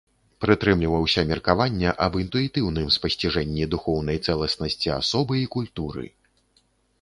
Прытрымліваўся меркавання аб інтуітыўным спасціжэнні духоўнай цэласнасці асобы і культуры.